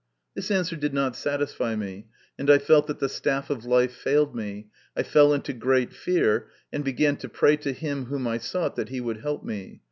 This answer did not satisfy me, and I felt that the staff of life failed me, I fell into great fear, and began to pray to Him whom I sought, that He would help me.